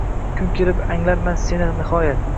Kun kelib anglarman seni nihoyat